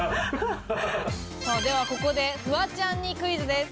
ではここでフワちゃんにクイズです。